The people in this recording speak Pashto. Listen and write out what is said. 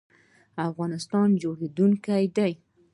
افغانستان جوړیدونکی دی